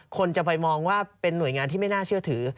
คนจะไปมองว่าเป็นหน่วยงานที่ไม่น่าเชื่อถือ